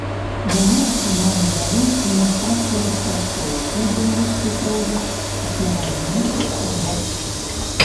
Яны атрымалі далейшую мастацкую распрацоўку ў беларускай прозе пасляваенных год.